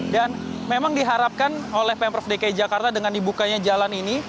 dan memang diharapkan oleh pemprov dki jakarta dengan dibukanya jalan ini